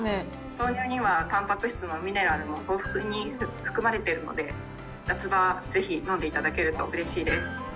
豆乳には、たんぱく質もミネラルも豊富に含まれているので、夏場はぜひ飲んでいただけるとうれしいです。